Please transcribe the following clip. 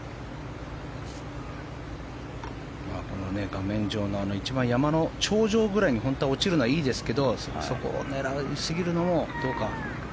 画面上の山の頂上ぐらいに本当は落ちるのはいいですけどそこを狙いすぎるのもどうか。